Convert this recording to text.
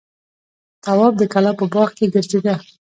تواب د کلا په باغ کې ګرځېده.